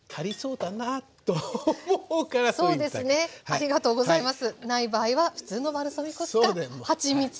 ありがとうございます。